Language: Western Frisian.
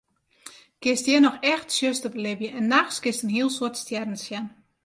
Kinst hjir noch echt tsjuster belibje en nachts kinst in hiel soad stjerren sjen.